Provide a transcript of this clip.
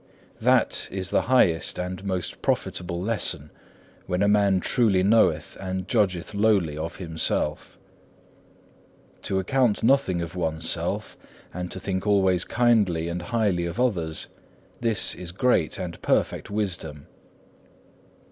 4. That is the highest and most profitable lesson, when a man truly knoweth and judgeth lowly of himself. To account nothing of one's self, and to think always kindly and highly of others, this is great and perfect wisdom.